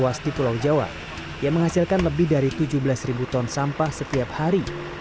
luas di pulau jawa yang menghasilkan lebih dari tujuh belas ton sampah setiap hari